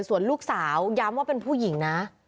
ส่วนลูกสาวย้ำว่าเป็นผู้หญิงนะ